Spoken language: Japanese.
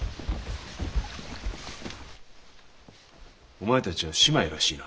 お前達は姉妹らしいな？